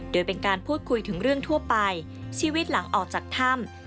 โดยเป็นการพูดคุยถึงเรื่องทั่วไปชีวิตหลังออกจากถ้ำ